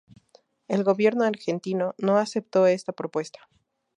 El Gobierno argentino no aceptó esta propuesta.